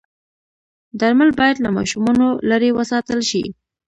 درمل باید له ماشومانو لرې وساتل شي.